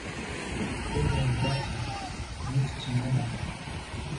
Turlaj dropsa, nic ci nie dam.